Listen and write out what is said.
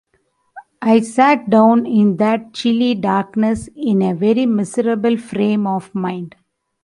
I sat down in that chilly darkness in a very miserable frame of mind.